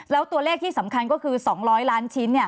แล้วตัวเลขที่สำคัญก็คือ๒๐๐ล้านชิ้น